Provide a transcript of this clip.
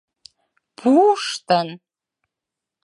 Пу-уштын!